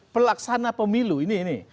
pelaksana pemilu ini ini